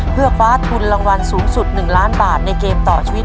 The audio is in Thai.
เพื่อคว้าทุนรางวัลสูงสุด๑ล้านบาทในเกมต่อชีวิต